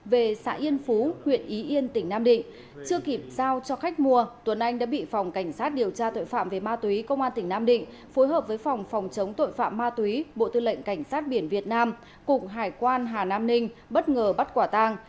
về xã yên phú huyện ý yên tỉnh nam định chưa kịp giao cho khách mua tuấn anh đã bị phòng cảnh sát điều tra tội phạm về ma túy công an tỉnh nam định phối hợp với phòng phòng chống tội phạm ma túy bộ tư lệnh cảnh sát biển việt nam cục hải quan hà nam ninh bất ngờ bắt quả tang